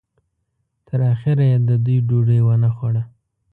تر اخره یې د دوی ډوډۍ ونه خوړه.